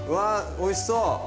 おいしそう！